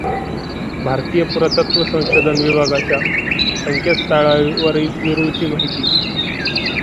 भारतीय पुरातत्व संशोधन विभागाच्या संकेतस्थळावरील वेरूळची माहिती.